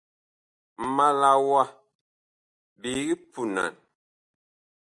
Ma la wa biig punan.